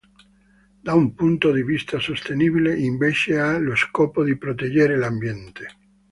Da un punto di vista sostenibile, invece, ha lo scopo di proteggere l’ambiente.